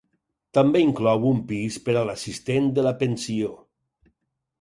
També inclou un pis per a l'assistent de la pensió.